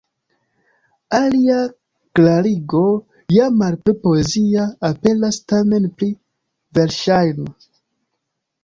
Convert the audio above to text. Alia klarigo, ja malpli poezia, aperas tamen pli verŝajna.